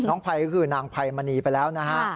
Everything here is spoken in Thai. น้องไพก็คือนางไพมณีไปแล้วนะฮะ